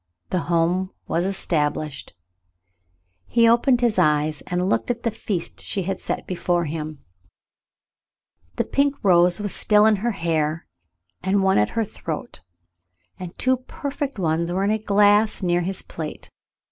The home A^as established. He opened his eyes and looked on the feast she had set An Eventful Day 195 before him. The pink rose was still in her hair, and one at her throat, and two perfect ones were in a glass near his plate.